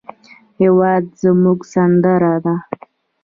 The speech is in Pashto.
هېواد زموږ سندره ده